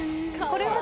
これ。